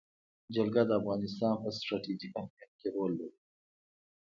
جلګه د افغانستان په ستراتیژیک اهمیت کې رول لري.